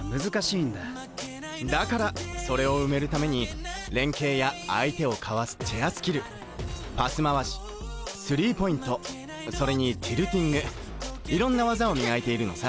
だからそれを埋めるために連携や相手をかわすチェアスキルパス回しスリーポイントそれにティルティングいろんな技を磨いているのさ。